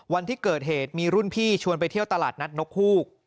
วันที่เกิดเหตุมีรุ่นพี่ชวนไปเที่ยวตลาดนัดนกฮูก